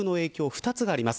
２つがあります。